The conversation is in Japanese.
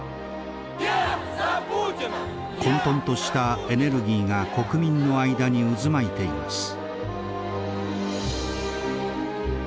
混とんとしたエネルギーが国民の間に渦巻いています。